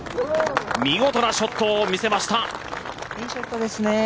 見事なショットを見せました。